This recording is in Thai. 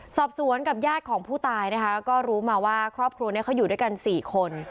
สอบสวนกับญาติของผู้ตายนะคะก็รู้มาว่าครอบครัวนี้เขาอยู่ด้วยกัน๔คน